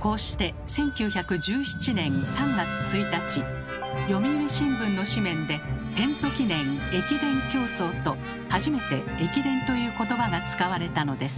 こうして読売新聞の紙面で「奠都記念駅伝競走」と初めて「駅伝」という言葉が使われたのです。